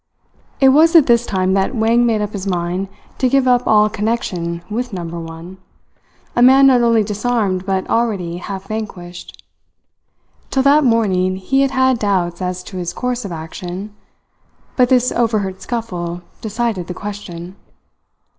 It was at this time that Wang made up his mind to give up all connection with Number One, a man not only disarmed but already half vanquished. Till that morning he had had doubts as to his course of action, but this overheard scuffle decided the question.